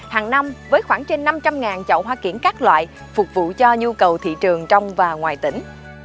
hàng năm với khoảng trên năm trăm linh chậu hoa kiển các loại phục vụ cho nhu cầu thị trường trong và ngoài tỉnh